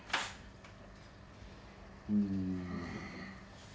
うん。